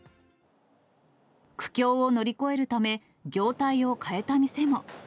苦境を乗り越えるため、業態を変えた店も。